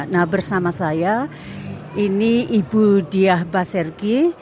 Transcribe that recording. nah bersama saya ini ibu diah basergi